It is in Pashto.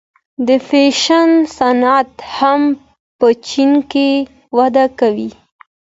د فیشن صنعت هم په چین کې وده کوي.